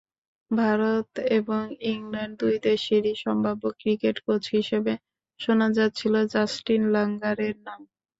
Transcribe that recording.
ভারত এবং ইংল্যান্ড—দুই দেশেরই সম্ভাব্য ক্রিকেট কোচ হিসেবে শোনা যাচ্ছিল জাস্টিন ল্যাঙ্গারের নাম।